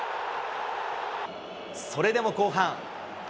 それでも後半。